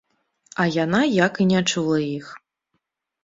А яна як і не чула іх.